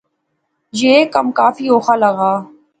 یہ ایہ کم کافی اوخا لغا